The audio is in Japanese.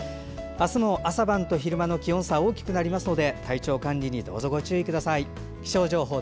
明日も朝晩と昼間の気温差が大きくなりますので体調管理にどうぞご注意ください。